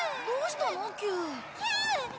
どうしたの？